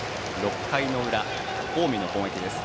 ６回の裏、近江の攻撃です。